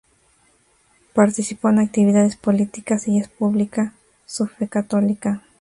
Participó en actividades políticas, y es pública su fe católica.